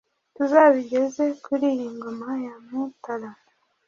tuzabigeze kuriyi ngoma ya mutara.